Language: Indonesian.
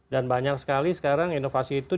dan banyak sekali sekarang inovasi itu